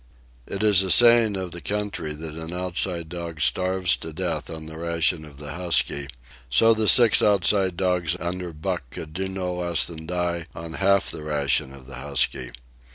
It is a saying of the country that an Outside dog starves to death on the ration of the husky, so the six Outside dogs under Buck could do no less than die on half the ration of the husky.